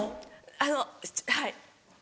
あのはい。